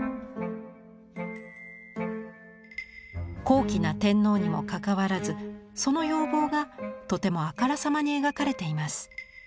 高貴な天皇にもかかわらずその容貌がとてもあからさまに描かれています。